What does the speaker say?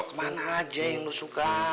kemana aja yang lu suka